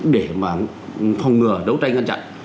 để mà phòng ngừa đấu tranh ngăn chặn